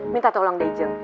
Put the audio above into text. minta tolong deh jeng